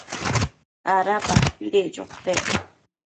¿ada padpedec chopec?